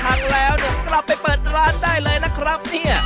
ปั้นบัวลอยกางเกงทั้งคู่เลยนะครับเนี่ย